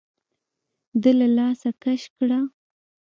ده له لاسه کش کړه.